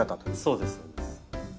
そうですそうです。